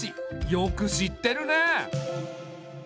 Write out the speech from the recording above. よく知ってるねえ。